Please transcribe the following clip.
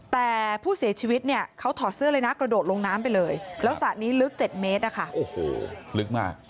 แต่ผู้เสียชีวิตเนี่ยเขาถอดเสื้อเลยนะกระโดดลงน้ำไปเลยแล้วสระนี้ลึก๗เมตรนะคะโอ้โหลึกมาก